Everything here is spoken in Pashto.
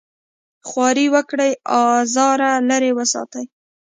خواري وکړي ازاره لرې وساتي.